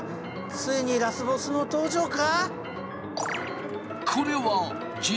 ついにラスボスの登場か！？